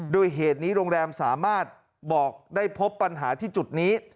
โดยเหตุนี้โรงแรมสามารถบอกได้พบปัญหาที่จุดนี้